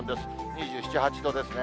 ２７、８度ですね。